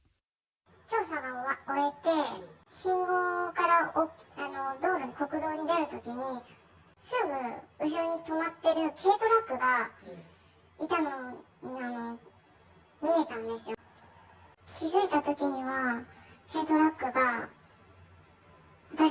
調査を終えて、信号から道路に、国道に出るときに、すぐ後ろに止まっている軽トラックがいたのが見えたんですよ。